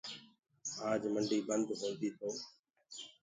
آج منڊي بند هوندي تي۔